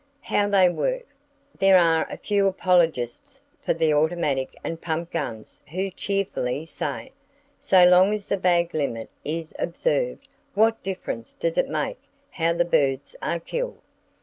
How They Work. —There are a few apologists for the automatic and pump guns who cheerfully say, "So long as the bag limit is observed what difference does it make how the birds are killed?"